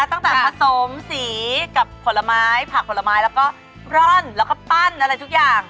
ตั้งแต่ผสมสีกับผลไม้ผักผลไม้แล้วก็ร่อนแล้วก็ปั้นอะไรทุกอย่าง